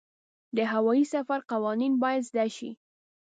د هوايي سفر قوانین باید زده شي.